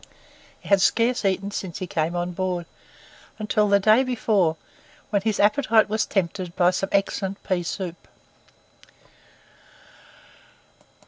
He had scarce eaten since he came on board, until the day before, when his appetite was tempted by some excellent pea soup.